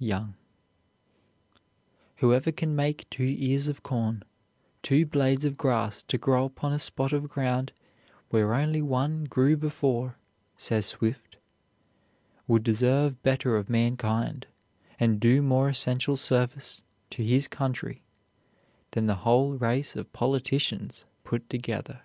YOUNG. "Whoever can make two ears of corn, two blades of grass to grow upon a spot of ground where only one grew before," says Swift, "would deserve better of mankind and do more essential service to his country than the whole race of politicians put together."